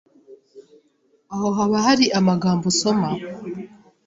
aho haba hari amagambo usoma